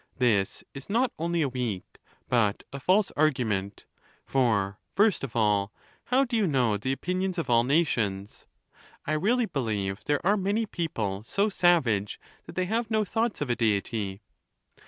This is not only a weak, but a false, argument ; for, first of all, how do you know the opinions of all nations? I really believe there are many people so savage that they have no thoughts of a Deity.